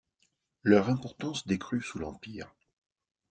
Leur importance décrut sous l'Empire.